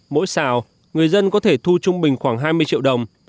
mỗi xào người dân có thể thu trung bình khoảng hai mươi triệu đồng